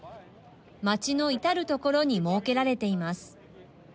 街の至る所に設けられています。